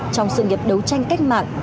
trong sự nghiệp đấu tranh cách mạng